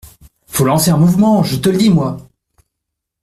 Faut lancer un mouvement, je te le dis, moi…